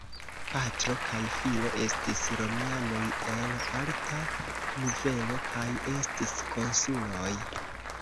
Patro kaj filo estis romianoj el alta nivelo kaj estis konsuloj.